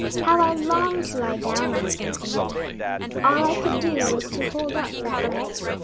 How I longed to lie down on something! All I could do was to hold up that leg.